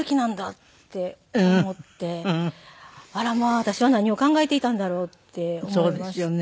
私は何を考えていたんだろうって思いましてね。